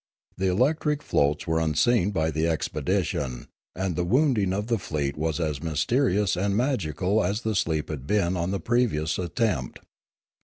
The electric floats were unseen by the expedition, and the wounding of the fleet was as mysterious and magical as the sleep had been on the previous attempt.